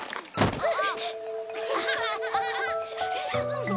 あっ。